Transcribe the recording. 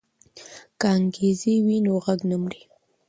که انګازې وي نو غږ نه مري.